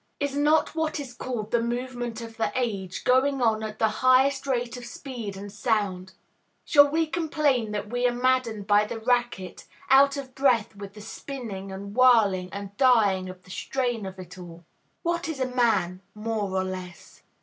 Is not what is called the "movement of the age" going on at the highest rate of speed and of sound? Shall we complain that we are maddened by the racket, out of breath with the spinning and whirling, and dying of the strain of it all? What is a man, more or less?